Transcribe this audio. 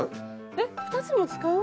えっ２つも使う？